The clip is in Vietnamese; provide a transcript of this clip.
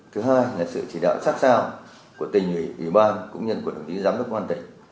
thứ hai là sự chỉ đạo sát sao của tỉnh ủy ban cũng như của đồng chí giám đốc quan tịch